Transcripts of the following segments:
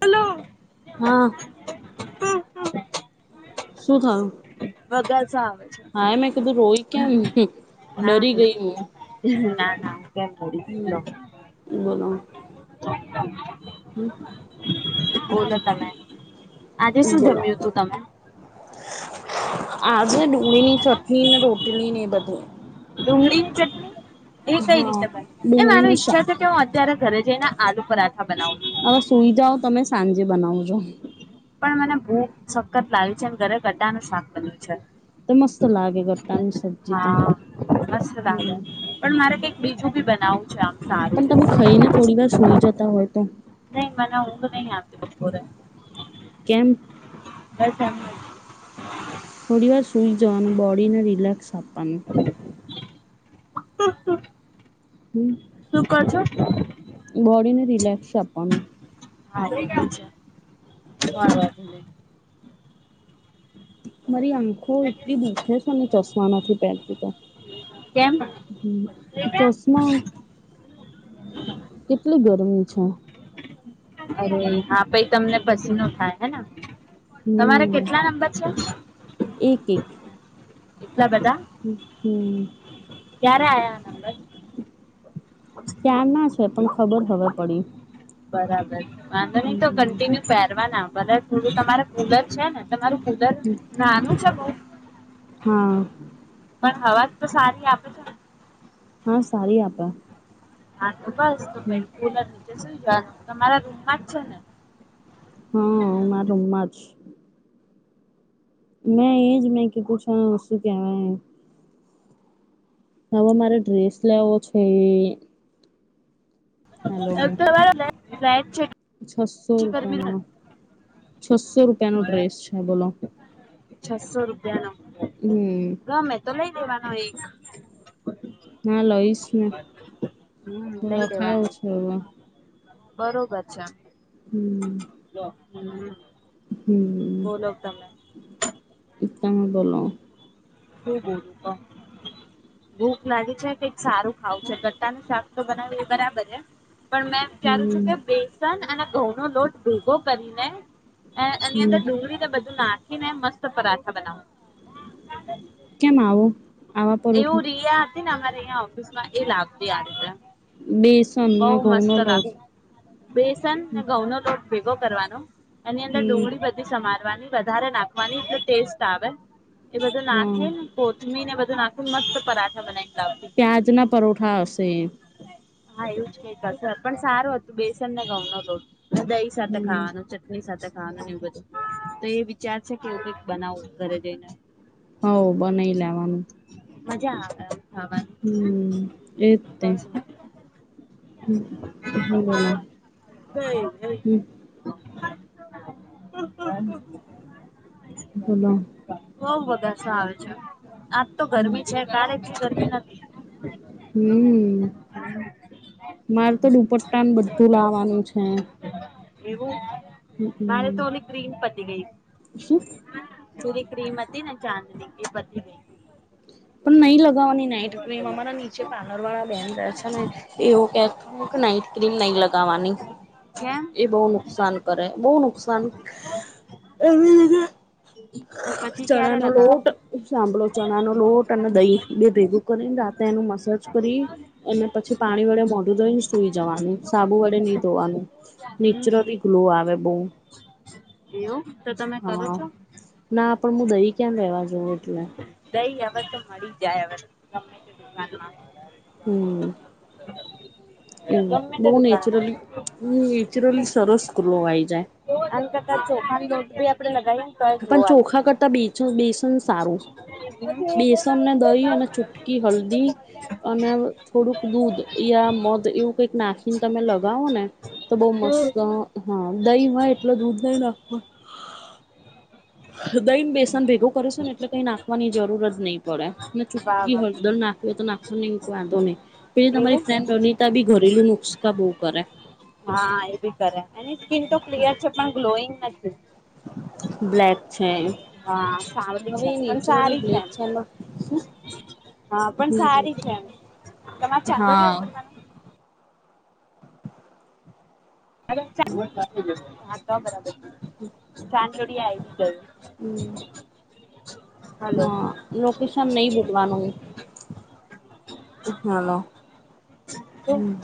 Hello. હા શું થયું વગાસો આવે છે. હાય મેં કીધું રોયી કેમ. ડરી ગઈ હું ના-ના-ના કેમ રડીશ લો હમ બોલો. [inaudible] હમ્મ. બોલો તમે આજે શું જમ્યું છું તમે. આજ ડુંગળી ની ચટણી ને રોટલી ને એ બધું ડુંગળી ચટણી એ કઈ હા રીતે બને એ મારે ડુંગળીનું ઈચ્છા શાક છે કે હું અત્યારે ઘરે જઈને આલુ પરાઠા બનાવ હવે સુઈ જાઓ તમે સાંજે બનાવજો. પણ મને ભૂખ સખત લાગ્યું છે ઘરે ગડાનું શાક બન્યું છે. તો મસ્ત લાગે ગટ્ટાની સબ્જી તો. હા મસ્ત લાગે હમ પણ મારે કઈક બીજું બી બનાવું છે આમ સારુ. તા હોય તો. નહી મને ઉંઘ નહી આવતી બપોરે. કેમ. બસ એમજ. થોડી વાર સુઈ જવાનું બોડીને રિલેેક્સ આપવાનું. [inaudible] હમ્મ. શું કો છો. બોડીને રિલેક્સ આપવાનું. હા એતો છે. મારી આંખો એટલી દુખે છે અને ચશમા નથી પેર તીતો કેમ અરે ચશ્મા કેટલી ગરમી છે. અરે હા પઈ તમને પછીનો થાય હેને. તમારે હમ કેટલા નંબર છે. એક એક આટલા બધા. હમ. ક્યારે આયા આ નંબર. ક્યાં ના છે પણ ખબર હવે પડી. બરાબર છે વાંધો નહી તો હમ કન્ટિન્યુ પેરવાના બરા થોડું તમારે કુલર છે ને. તમારું કુદર નાનું છે બ હા પણ હવા તો સારી આપે છે. હા સારી આપે. હા બસ તો ભાઈ કુલર નીચે સુઈ જ તમારા રૂમમાં જ છે ને? હા મા રમમાં જ. ના એ જ મે કીધું છે શું કેવાઈ. હવે મારે ડ્રેસ લેવો છે. હેલો અક્તબર છસો રૂપિયા નો ડ્રેસ છે બોલો. છસો રૂપિયા નો. હમ. તો લઈ લેવાનો એક. ના લઈશ ને હમ લઈ ખાવ લેવાનો છો હવે. બરોબર છે. હમ. લો હમ. બોલો તમે. ઇસ્લામ બોલો. હ જ હ ભૂખ લાગી છે કઈક સારું ખાવું છે ગટ્ટાનું શાક તો બનાવે બરાબર છે. પણ મેં વિચારું છું હમ કે બેસન અને ઘઉં નો લોટ ભેગો કરીને એ એની હમ અંદર ડુંગળી ને બધું નાખી ને મસ્ત પરાઠા બનાવ. કેમ આવો આવા પરવઠો. રિયા ને અરેં ઓફિસમાં એ લાભથી આ રતે બેસન બઉ ને ઘઉં નો મસ્ત લોટ લાગત બેસન ને ઘઉં નો લોટ. ભેગો કરવાનો એની અંદર હમ ડુંગળી બધી સમારવાની વધારે નાખવાની એ ટેસ્ટ આવે. એ બધું હા નાખે ને કોથમી ને બધું નાખી ને મસ્ત પરાઠા બનાવી. પ્યાજ ના પરોઠા હશે. હા એવું જ કંઈક પણ સારું હતું બેસન ને ઘઉં નો લોટ. દહી સાથે હમ ખાવાનું ચટણી સાથે એવું બધું તો એ વિચાર છે કે એવું કઈક બનાવ ઘરે જઈને. હ બનાઈ લેવાનું. મજા આવે. ખાવાની હમ એતે. હમ હ બોલો હમ. હ. બોલો. સાવ છે. આજ તો હમ ગરમી છે કલે એટલી ગરમી નથી. હમ મારે તો દુપટ્ટાનું બધું લાવવાનું છે. એવું હમ મેરેથોન ગ્રીન પતી ગઈ. શું? ચૂરી ક્રીમ હતી ને ચાંદની એ બધી પણ નહી લવ લેવાની નાઈટ ક્રીમ. અમારા નીચે પાલરવાળા બેન રહે છે ને એવું કે, નાઈટ ક્રીમ ન લગાવવાની. કેમ એ બહુ નુકસાન કરે, બહુ નુકસાન એવી કે તો પછી ક્યારે ચણાનો લોટ લગાવવાની સાભલો ચ ચણાનો લોટ અને દહીં ભેગું કરીને રાતે એનું મસાજ કરી અને પછી પાણી વડે મોઢું દઈને સુઈ જવાનું સાબુ વડે નહી ધોવાનું, નેચરલી ગ્લો આવે બહુ એ હા, ના પણ હું દહી ક્યા લેવા જોઉં એટલે. ઈ હવે તો મળી જાય હવે હમ એવું. ગમે તે બહુ દુકાનમાં નેચરલી, નેચરલી સરસ ઞ્લો આને કરતા ચોખાની રોટલી આપડે લગાવીએ ને તોય ગ્લો પણ આઈ ચોખા કરતા બીજું બેસન સારું. જાય. બેસનને દહી અને ચુટકી હલ્દી અને થોડુંક દૂધ યા મધ એવું કઈક નાખીને તમે લગાવો ને તો બહુ મસ્ત હા. દહી એટલે દૂધ નઈ નાખવા દઈને બેસન ભેગું કરશોને એટલે કઈ નાખવાની જરૂર જ નહી પડે. વાહ ચુટકી વાહ હળદર નાખવી હોય તો નાખવા ન વાંધો નહી. પેલી તમારી એવું ફ્રેન્ડ રનિતા બી ઘરેલું નક [unintelligible] કરે. હા, એ બી કરે એની સ્કીિન તો ક્લિયર છે, પણ ગ્લોઈંગ નથી. બ્લેક છે. હા સાવલી હવે છે પણ નેચરલી સારી બ્લેક એમ છે, એમાં શું? હા, પણ હમ સારી છે એમ. તમારે ચાંદો ન હા ઉતરનું. હા, તો બરાબર સાંદોડી હમ [unintelligible] હા, લોકેશન નહી બોલવાનું. હલો.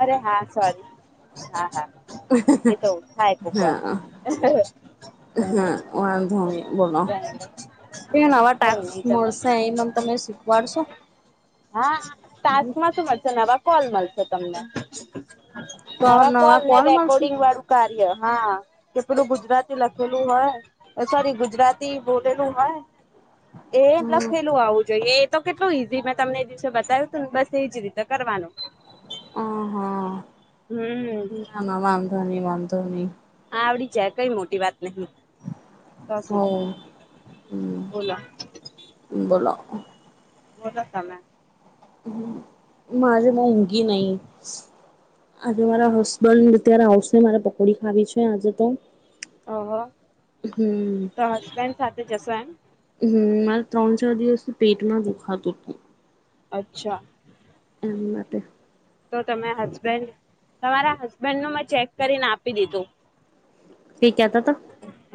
અરે હા સોરી. હા હા. એ તો થાય કોક વાર હા. હા, વાંધો નહી, બોલો. એ નવા કઈ નહી ટાસ્ક તમે મળશે એ મને તમે શીખવાડશો. હા, ટાસ્કમાં શું મળશે. નવા કોલ મળશે તમને, તો આવા નવા કોલને કોલ મળશે રેકોર્ડિંગવાળું કાર્ય હા, કે પેલું ગુજરાતી લખેલું હોય. સોરી ગુજરાતી બોલેલું હોય. એ હમ લખેલું આવું જોઈએ તો કેટલું ઈઝી મેં તમને એ દિવસે બતાવ્યું હતું ને, બસ એજ રીતે કરવાનું. હ હા. હમ ના ના વાંધો નહીં, વાંધો નહીં. આવડી જાય કઈ મોટી વાત તો શું? હ હમ ઓલા [inaudible] મોટા તમે. હ, મારી મોંઘી નહી. આજે મારા હસબન્ડ અત્યારે આવશે. મારે પકોડી ખાવી છે, આજે તો. ઓહ હમ તો હસબેન્ડ સાથે જશો એમ. હમ ત્રણ ચાર દિવસ પેટમાં દુખાત હતું. અચ્છા. ના તે તો તમે હસબેન્ડ. તમારા હસબેન્ડનું મેં ચેક કરીને આપી દીધું. કઈક કેહતા.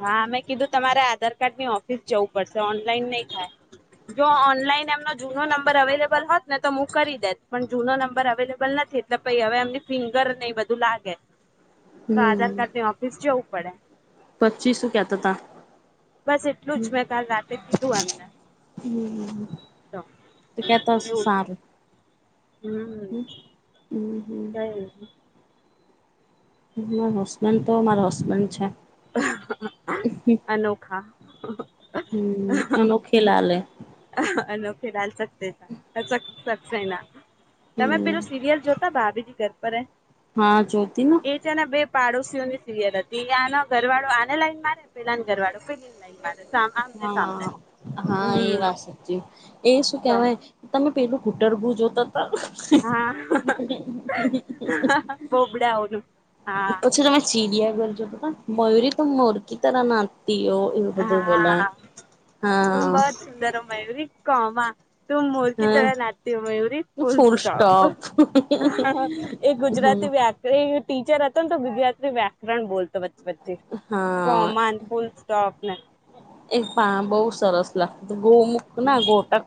હા, મે કીધું તમારે આધાર કાર્ડની ઓફિસ જવું પડશે. ઓનલાઈન નહી થાય. જો ઓનલાઈન એમનો જૂનો નંબર અવેલેબલ હોત ને, તો હું કરી દેસ પણ જૂનો નંબર અવેલેબલ નથી. એટલે પહી હવે, એમને ફિંગર નહીં બધું લાગે છે. તો આધાર કાર્ડની ઓફિસ જવું પડે. [inaudible] હતા. બસ એટલું જ મેં કાલ રાતે કીધું અમને. તો કેતાશે એવું સાર. હમ હમ [unintelligible] મા હસબેન્ડ તો મારો હસબન્ડ છે. અનોખા. હમ અનોખે લાલ હે અખ તમે હમ પેલું સીરિયલ જો. ભાભીજી ઘર પર હ. હા જોતી. પાડોશી ની સિરયર હતીયાનો ઘર વાળો આને લાઈન મારે પેલા ઘર વાળો પેલી ને લાઈન મારે. આમને સામને હા હા એ હમ વાત. એ શું તો કેહેવાય તમે પેલું ઘૂટરવું જો [inaudible] હા બોબડાઓનું હા પછી તમે ચીડિયા ઘરજો બ મયુરી તો મોરકી [unintelligible] ના. ત એ તો બલ હા હા મયૂરી કોમા તું મોરકીી તડા હા લતી હો મયૂરી ફુલ સ્ટોપ એ હમ ગુજરાતી વ્યાકરણ ટીચર હતા તો બીધયાત વ્યાકરણ બોલતો વચ્ચે વચ્ચે હા કોમન ફૂલ સોપ ને એ પા બહુ સરસ લાગતી ગૌમુખ ના ગોટક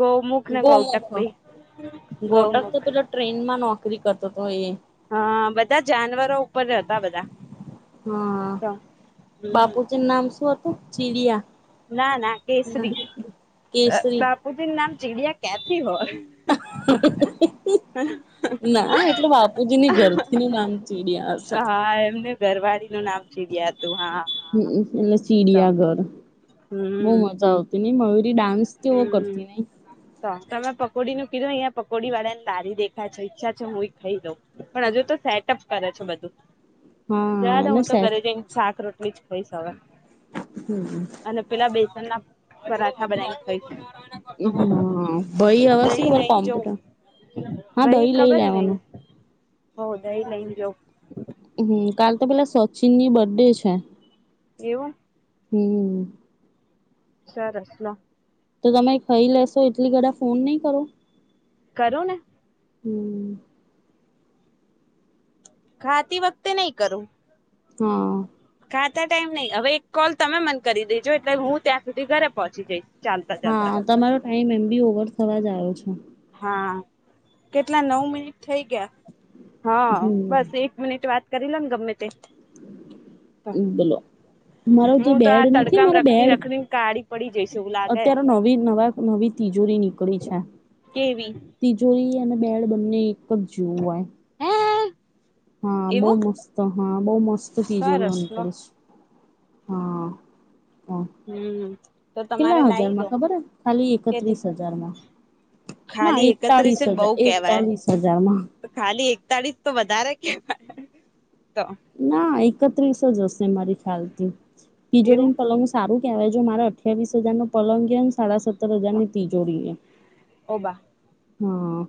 ગૌમુખ ને ગોમ ગૌટક બે [unintelligible] ગોટક તો ગૌમુખ પેલા ટ્રેન માં [unintelligible] [unintelligible] કરતો તો એ. હા બધા જાનવરો ઉપર હતા બધા. હા. તો હમ ના ના ના કેસરી કેસરી બાપુજી નામ ચીડિયા ક્યાંથી હોય. [inaudible] ના એટલે બાપુજીની ઘરથી ન નામ ચીડ્યા હશે. હા એમને ઘરવાળી નું નામ ચીડિયા હતું હા હમ હા એટલે તો ચીડિયાઘર. બહુ હમ મજા આવતી નહ મયુરી ડાન્સ [unintelligible] હમ કરતી નહ. તો તમે પકોડી નું કીધું અહીંયા પકોડી વાળા ને તારી દેખાય છે ઈચ્છા છે, હું એ ખાઈ દઉં પણ હજુ તો સેટઅપ કરે [unintelligible] બધું. હા [unintelligible] અને હું તો સેટ ઘરે [unintelligible] શાક રોટી. [unintelligible] અને પેલા બેસન ના પરાઠા બનાવી ખઈશ. હા [unintelligible] છે, દહી લઈને [unintelligible] જઉં કોમ્પ્યુટર. હા દહી લઈ લેવાનું. [inaudible] જો. હ કાલ તો પેલા સચિન ની બર્ડે છે. એવું. હમ. [unintelligible] તો તમે ખાઈ લેશો એટલી [unintelligible] ફોન નહી કરો. કરો ને હમ ખાતી વખતે નહી કરું હા આતા ટાઈમ નહીં હવે એક કોલ તમે મન કરી દેજો એટલે હું ત્યાં સુધી ઘરે પહોંચી જઈશ ચાલતા હા ચાલતા તમારો ટાઈમ એમ બી ઓવર થવા જ આયો છે. હા, કેટલા નવ મિનિટ થઈ ગયા? હા, બસ હમ એક મિનિટ વાત કરી લો ન, ગમે તે! તો બોલો, મારો જે હું તો બેડ આ નથી, તડકામાં મારો રખડી બેડ રખડીને કાળી પડી જઈશ એવું લાગે અત્યારે નવી નવા નવી તિજોરી નીકળી છે, કેવી તિજોરી એ બેડ બંને એક જ જેવું હોય હે હા બહુ એવું મસ્ત, હા બહુ મસ્ત તીજોરીઓ સરસ લો નીકળી છ હા હ હમ તો તમારે કેટલા લાવી દો હજારમાં ખબર હે? ખાલી કે એકત્રીસ હજારમાં ના ખાલી એકતાલીસ એકત્રીસે બઉ હજાર, કેવાય એકતાલીસ હજારમાં તો ખાલી એકતાળીસ તો વધારે કેવાય તો ના એકત્રીસ જ હશે મારી ખ્યાલથી એવું તિજોરીને પલંગ સારું જો મારા અઠ્યાવીસ હજાર નો પલંગ ગયો ને સાડા સત્તર હજાર ની તિજોરી એમ ઓબા હા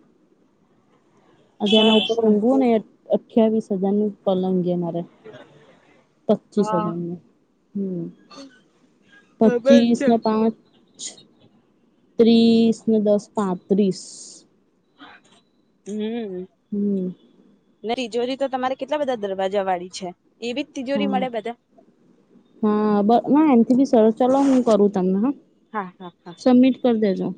અજે એના સરસ ઉપર રંગુંને! અઠવીસ હજાર નું પલંગ મારે [inaudible] પચીસ હા હજારનો, હમ ખબર પચીસ છે ને પાંચ ત્રીસ ને દસ પાંત્રીસ હમ હમ તીજોરી તો તમારે કેટલા બધા દરવાજા વાળી છે એવી જ તિજોરી મળે બધા હા હા બ ના બી સર ચલો હું કરું તને હા હા હા હા સબમિટ કર દેજો